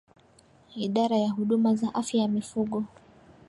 Idara ya Huduma za Afya ya Mifugo